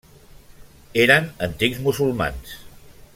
Eren antics musulmans.